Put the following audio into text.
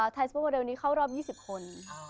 สเปอร์โมเดลนี้เข้ารอบ๒๐คน